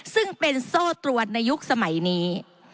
ซึ่งเป็นโซ่ตรวจในยุคสมัยนี้